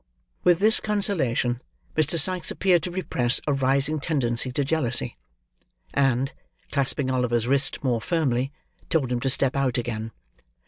With this consolation, Mr. Sikes appeared to repress a rising tendency to jealousy, and, clasping Oliver's wrist more firmly, told him to step out again.